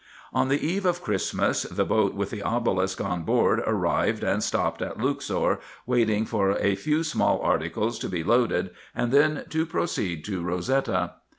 On the eve of Christmas, the boat with the obelisk on board arrived, and stopped at Luxor, waiting for a few small articles to be loaded, and then to proceed to Rosetta.